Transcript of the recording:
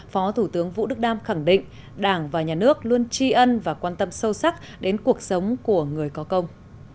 phó thủ tướng vũ đức đam khẳng định đảng và nhà nước luôn tri ân và quan tâm sâu sắc đến cuộc sống của người có công